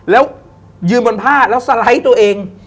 แล้วยืนบนผ้าแล้วสไลด์ตัวเอง